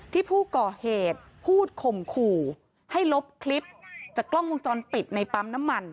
ที่ผู้ก่อเหตุพูดข่มขู่ให้ลบคลิปจากกล้องวงจรปิดในปั๊มน้ำมัน